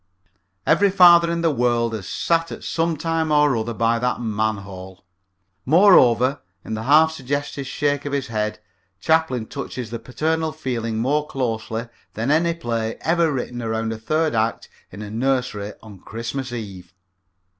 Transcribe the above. Every father in the world has sat at some time or other by that manhole. Moreover, in the half suggested shake of his head Chaplin touches the paternal feeling more closely than any play ever written around a third act in a nursery on Christmas Eve.